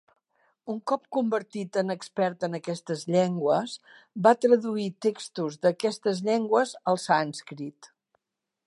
Un cop convertit en expert en aquestes llengües, va traduir textos d'aquestes llengües al sànscrit.